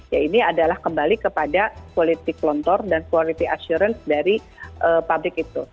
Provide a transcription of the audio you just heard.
ya ini adalah kembali kepada quality control dan quality assurance dari pabrik itu